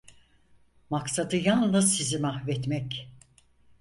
Maksadı yalnız sizi mahvetmek…